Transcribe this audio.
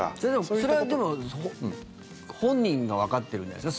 それは、でも本人がわかってるんじゃないですか。